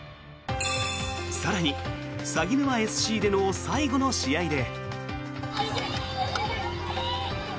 更に、さぎぬまＳＣでの最後の試合で。